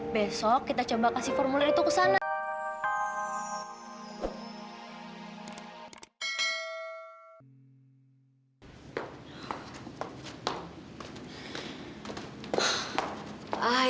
besok kita coba kasih formulir itu ke sana